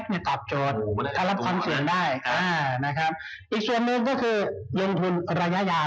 แล้วก็เป็นกำลังจากให้ท่านผู้ชมนะครับว่า